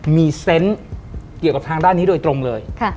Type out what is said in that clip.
มีเซนต์เกี่ยวกับทางด้านนี้โดยตรงเลย